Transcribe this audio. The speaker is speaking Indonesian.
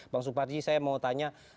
bang suparji saya mau tanya